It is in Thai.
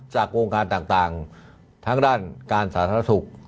วงการต่างทั้งด้านการสาธารณสุข